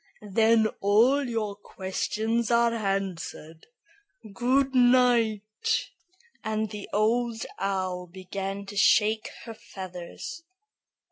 "Then all your questions are answered. Good night;" and the Old Owl began to shake her feathers.